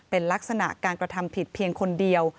เป็นลักษณะการกระทำผิดเพียงคนเดียว